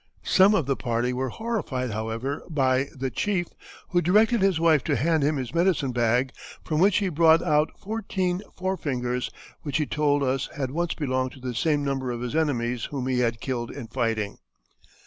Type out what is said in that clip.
Some of the party were horrified, however, by "the chief, who directed his wife to hand him his medicine bag, from which he brought out fourteen fore fingers, which he told us had once belonged to the same number of his enemies whom he had killed in fighting."